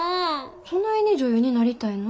そないに女優になりたいの？